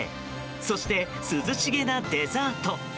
そして、涼しげなデザート。